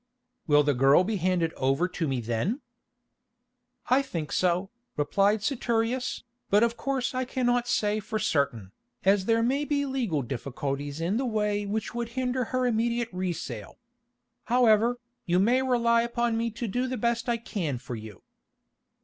"Will the girl be handed over to me then?" "I think so," replied Saturius, "but of course I cannot say for certain, as there may be legal difficulties in the way which would hinder her immediate re sale. However, you may rely upon me to do the best I can for you."